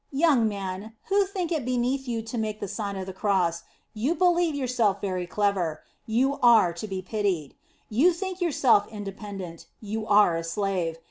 Young man, who think it beneath you to make the Sign of the Cross, you believe yourself very clever; you are to be pitied. You think yourself independent; you are a slave.